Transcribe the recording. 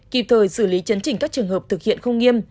kịp thời xử lý chấn chỉnh các trường hợp thực hiện không nghiêm